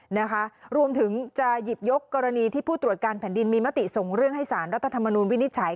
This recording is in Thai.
นะคะรวมถึงจะหยิบยกกรณีที่ผู้ตรวจการแผ่นดินมีมติส่งเรื่องให้สารรัฐธรรมนูลวินิจฉัย